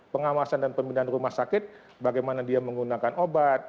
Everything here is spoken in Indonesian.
pengawasan dan pembinaan rumah sakit bagaimana dia menggunakan obat